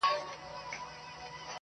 ویل چي آصل یم تر نورو موږکانو.